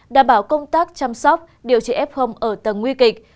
đảm bảo công tác chăm sóc điều trị f ở tầng nguy kịch